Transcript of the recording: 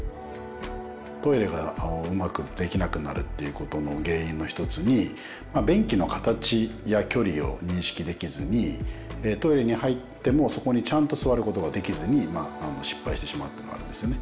トイレがうまくできなくなるっていうことの原因の一つに便器の形や距離を認識できずにトイレに入ってもそこにちゃんと座ることができずに失敗してしまうっていうのがあるんですよね。